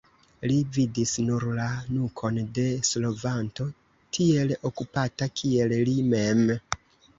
Li vidis nur la nukon de slovanto tiel okupata kiel li mem.